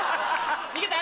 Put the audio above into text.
逃げた？